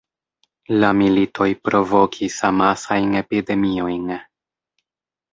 La militoj provokis amasajn epidemiojn.